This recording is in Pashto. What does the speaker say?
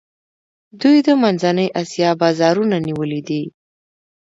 دوی د منځنۍ آسیا بازارونه نیولي دي.